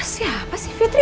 siapa sih fitri